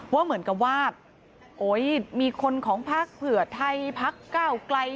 ว่าเหมือนกับว่าโอ๊ยมีคนของภักดิ์เผือไทยภักดิ์เก้าไกล